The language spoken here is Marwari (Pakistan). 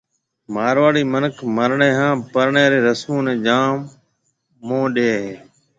مارواڙي مِنک مرڻيَ ھان پرڻيَ رِي رسمون نيَ جام مون ڏَي ھيََََ